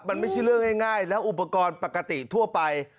มันไม่ใช่เรื่องง่ายแล้วอุปกรณ์ปกติทั่วไป